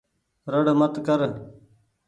رڙ مت ڪر ۔